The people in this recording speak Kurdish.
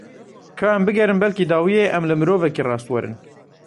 Ka em bigerin, belkî dawiyê em li mirovekî rast werin.